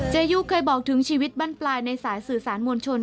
ยุเคยบอกถึงชีวิตบ้านปลายในสายสื่อสารมวลชน